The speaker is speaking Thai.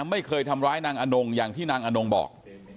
ไม่เคยทำร้ายนางอนงอย่างที่นางอนงบอก